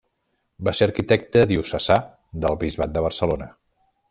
Va ser arquitecte diocesà del bisbat de Barcelona.